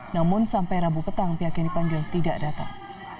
namun sampai rabu petang pihak yang dipanggil tidak datang